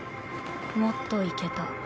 もっといけた。